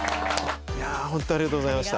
本当ありがとうございました。